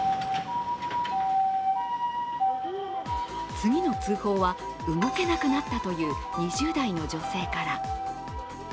次の通報は、動けなくなったという２０代の女性から。